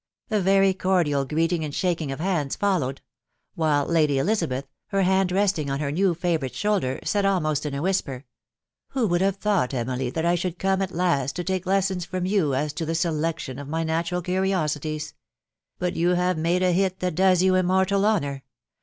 A very cordial greeting and shaking of hands followed ; while Lady Elizabeth, her hand resting on her new favourite's shoulder, said almost in a whisper, —" Who would have thought, Emily, that I should come at last to take lessons from you as to the selection of my natural curiosities ?.... But you have made a hit that does you im mortal honour